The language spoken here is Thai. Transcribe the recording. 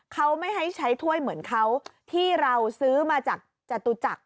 เขาไม่ให้ใช้ถ้วยเหมือนเขาที่เราซื้อมาจากจตุจักร